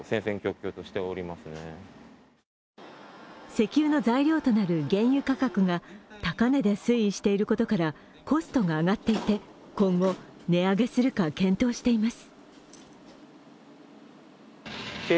石油の材料となる原油価格が高値で推移していることからコストが上がっていて、今後、値上げするか検討しています。